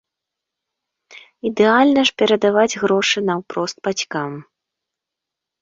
Ідэальна ж перадаваць грошы наўпрост бацькам.